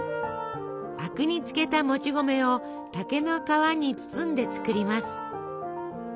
灰汁につけたもち米を竹の皮に包んで作ります。